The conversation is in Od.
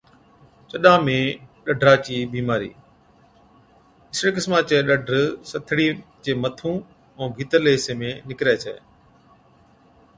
چڏان ۾ ڏَدرا چِي بِيمارِي، اِسڙي قِسما چَي ڏَدر سٿڙي چي مٿُون ائُون ڀِيترلي حِصي ۾ نِڪرَي ڇَي۔